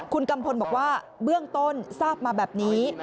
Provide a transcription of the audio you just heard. คุณกัมพลบอกว่าเบื้องต้นทราบมาแบบนี้